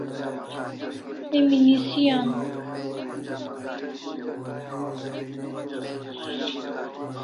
Emi nisi an